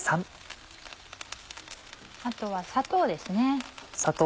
あとは砂糖ですね。